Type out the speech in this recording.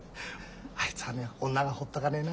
あいつはね女がほっとかねえな。